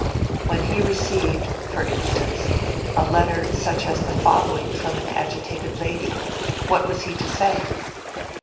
When he received, for instance, a letter such as the following from an agitated lady, what was he to say?